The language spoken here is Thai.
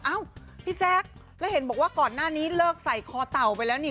เอ้าพี่แซคแล้วเห็นบอกว่าก่อนหน้านี้เลิกใส่คอเต่าไปแล้วนี่